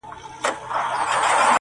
سیاه پوسي ده، ماسوم یې ژاړي~